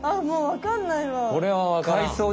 もうわかんないね。